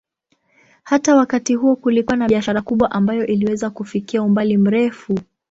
Hata wakati huo kulikuwa na biashara kubwa ambayo iliweza kufikia umbali mrefu.